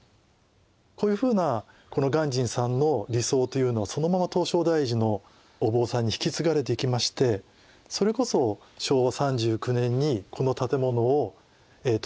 こういうふうな鑑真さんの理想というのはそのまま唐招提寺のお坊さんに引き継がれていきましてそれこそ昭和３９年にこの建物を唐招提寺に移築する。